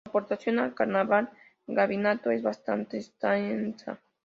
Su aportación al carnaval gaditano es bastante extensa.